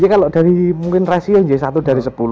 jadi kalau dari mungkin rasio satu dari sepuluh